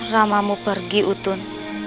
ramamu pergi utun